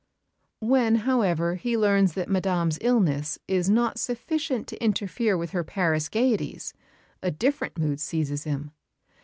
When, however, he learns that Madame's illness is not sufficient to interfere with her Paris gaieties, a different mood seizes him.